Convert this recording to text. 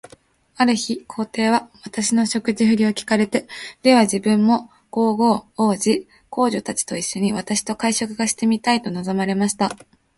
ある日、皇帝は私の食事振りを聞かれて、では自分も皇后、皇子、皇女たちと一しょに、私と会食がしてみたいと望まれました。